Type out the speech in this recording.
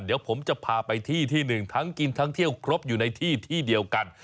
เดี๋ยวผมจะพาไปที่ที่หนึ่งทั้งกินทั้งเที่ยวครบอยู่ในที่ที่เดียวกัน